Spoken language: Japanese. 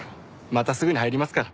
またすぐに入りますから。